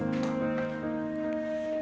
jadi galau terus